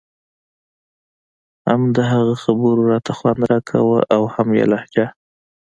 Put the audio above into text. هم د هغه خبرو راته خوند راکاوه او هم يې لهجه.